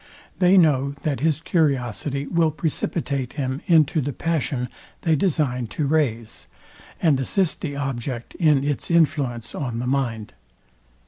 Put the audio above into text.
They know that his curiosity will precipitate him into the passion they design to raise, and assist the object in its influence on the mind.